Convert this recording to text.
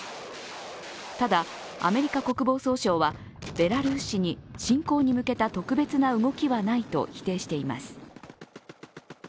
ただ、アメリカ国防総省はベラルーシに侵攻に向けた特別な動きはないと否定しています。